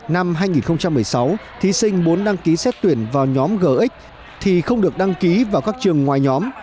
năm hai nghìn một mươi sáu thí sinh muốn đăng ký xét tuyển vào nhóm gx thì không được đăng ký vào các trường ngoài nhóm